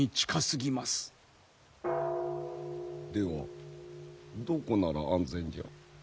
ではどこなら安全じゃ？